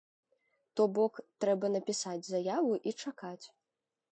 То бок, трэба напісаць заяву і чакаць.